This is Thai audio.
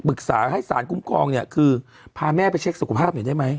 สารให้สารคุ้มครองเนี่ยคือพาแม่ไปเช็คสุขภาพหน่อยได้ไหม